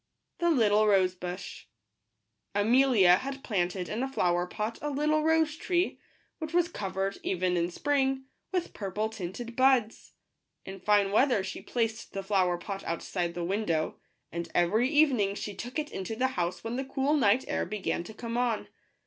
Digitized by v^ooQle Ztttl* MELTA had planted in a flower f&PSI pot a little rose tree, which was co vered, even in spring, with purple w * tinted buds. In fine weather she placed the flower pot outside the window; and every evening she took it into the house when the cool night air began to come on.